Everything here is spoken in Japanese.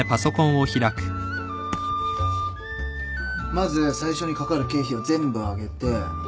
まず最初にかかる経費を全部挙げて。